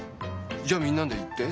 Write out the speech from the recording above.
じゃあみんなで言って。